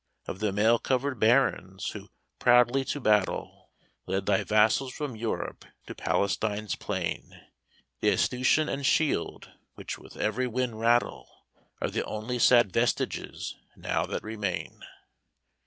"Of the mail covered barons who, proudly, to battle Led thy vassals from Europe to Palestine's plain, The escutcheon and shield, which with every wind rattle, Are the only sad vestiges now that remain."